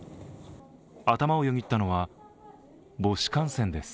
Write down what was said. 頭をよぎったのは母子感染です。